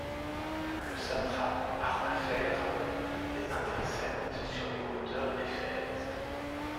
Le satrape Artapherne les intercepte sur les hauteurs d’Éphèse.